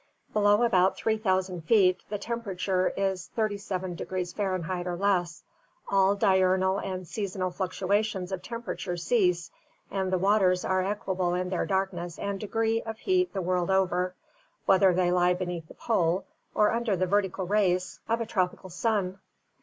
Below about 3000 feet the temperature is 370 F. or less, all diurnal and seasonal fluctuations of temperature cease, and the waters are equable in their darkness and degree of heat the world over, whether they lie beneath the pole or under the vertical rays of a tropical sun.